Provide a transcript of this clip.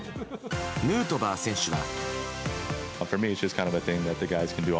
ヌートバー選手は。